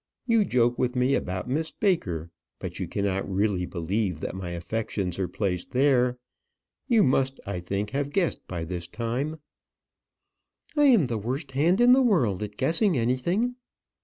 You joke with me about Miss Baker; but you cannot really believe that my affections are placed there? You must, I think, have guessed by this time " "I am the worst hand in the world at guessing anything."